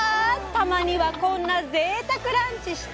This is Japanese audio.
たまにはこんなぜいたくランチしたいなぁ！